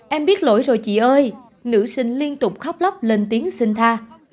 em biết lỗi rồi chị ơi nữ sinh liên tục khóc lóc lên tiếng xin tha